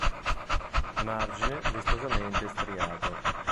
Margine vistosamente striato.